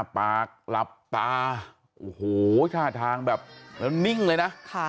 ปากหลับตาโอ้โหท่าทางแบบแล้วนิ่งเลยนะ